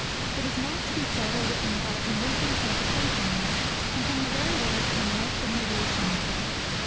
It is not to be said or written without a convincing sense of sunshine, and from the very word come light and radiation.